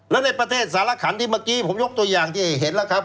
และในประเทศสารขันที่เมื่อกี้ผมยกตัวอย่างที่เห็นแล้วครับ